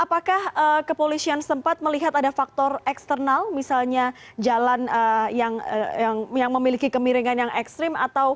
apakah kepolisian sempat melihat ada faktor eksternal misalnya jalan yang memiliki kemiringan yang ekstrim